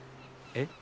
えっ？